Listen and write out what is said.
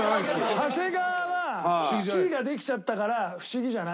長谷川はスキーができちゃったからフシギじゃないの。